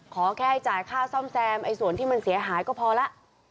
ขอแค่ให้จ่ายค่าซ่อมแซมส่วนที่มันเสียหายก็พอแล้ว